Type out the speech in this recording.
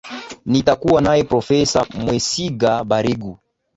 nitakuwa naye profesa mwesiga baregu